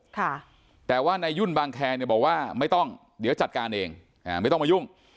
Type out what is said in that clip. ค่ะแต่ว่าในยุ่นบางแคร์เนี่ยบอกว่าไม่ต้องเดี๋ยวจัดการเองอ่าไม่ต้องมายุ่ง